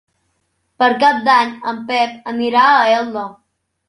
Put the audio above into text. Per Cap d'Any en Pep anirà a Elda.